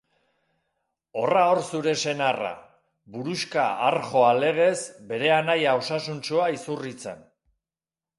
Horra hor zure senarra, buruxka harjoa legez bere anaia osasuntsua izurritzen.